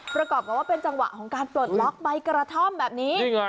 ประกอบกับว่าเป็นจังหวะของการปลดล็อกใบกระท่อมแบบนี้